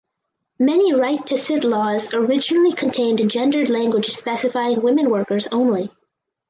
Many right to sit laws originally contained gendered language specifying women workers only.